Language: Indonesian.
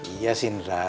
iya sih ndra